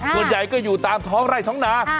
เนื้อไญงก็อยู่ตามท้องไล่ท้องนา